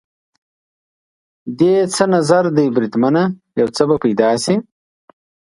دې څه نظر دی بریدمنه؟ یو څه به پیدا شي.